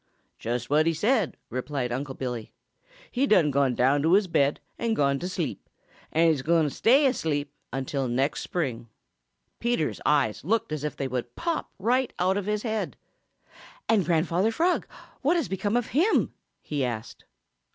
"Just what he said," replied Unc' Billy. "He done gone down to his bed and gone to sleep, and he's gwine to stay asleep until next spring." Peter's eyes looked as if they would pop right out of his head. "And Grandfather Frog, what has become of him?" he asked.